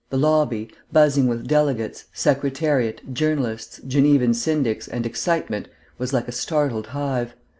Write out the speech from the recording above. The lobby, buzzing with delegates, Secretariat, journalists, Genevan syndics, and excitement, was like a startled hive.